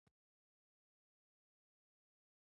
ژوند یې خوندي شو.